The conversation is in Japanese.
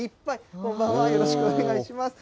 こんばんは、よろしくお願いします。